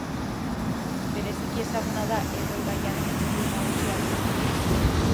Bereziki ezaguna da Ebro ibaiaren iturburu nagusia delako.